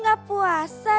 doa buka puasa